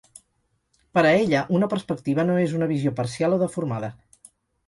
Per a ella, una perspectiva no és una visió parcial o deformada.